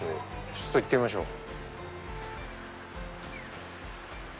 ちょっと行ってみましょう。